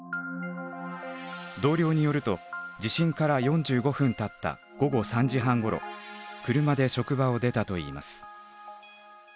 同僚によると地震から４５分たった午後３時半ごろ車で職場を出たといいます。